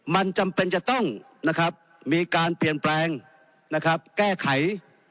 มันจำเป็นจะต้องมีการเปลี่ยนแปลงแก้ไข